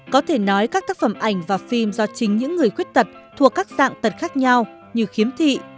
có thể nói các tác phẩm ảnh và phim do chính những người khuyết tật thuộc các dạng tật khác nhau như khiếm thị